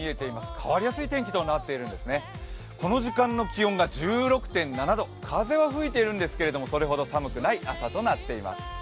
変わりやすい天気となっているんですね、この時間の気温が１６．７度、風は吹いているんですけど、それほど寒くない朝となっています。